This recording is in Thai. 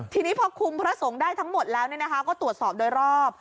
ทีนี้พอคุมพระสงฆ์ได้ทั้งหมดแล้วก็ตรวจสอบโดยรอบ